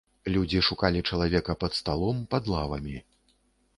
Людзі шукалі чалавека пад сталом, пад лавамі.